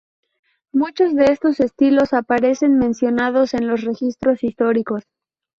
Muchos de estos estilos aparecen mencionados en los registros históricos.